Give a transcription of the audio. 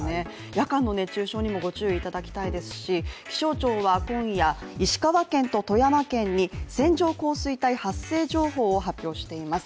夜間の熱中症にもご注意いただきたいですし気象庁は今夜、石川県と富山県に線状降水帯発生情報を発表しています。